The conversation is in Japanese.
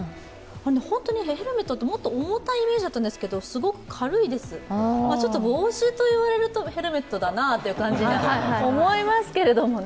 ホントにヘルメットってもっと重たいイメージだったんですけどちょっと帽子と言われるとヘルメットだなと思いますけどね。